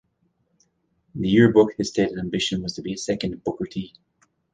In the yearbook, his stated ambition was to be a second Booker T.